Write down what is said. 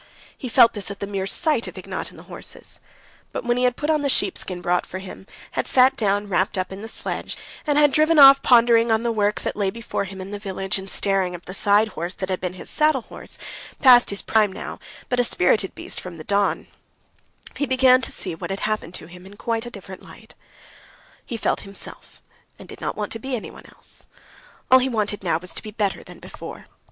He felt this at the mere sight of Ignat and the horses; but when he had put on the sheepskin brought for him, had sat down wrapped up in the sledge, and had driven off pondering on the work that lay before him in the village, and staring at the side horse, that had been his saddle horse, past his prime now, but a spirited beast from the Don, he began to see what had happened to him in quite a different light. He felt himself, and did not want to be anyone else. All he wanted now was to be better than before.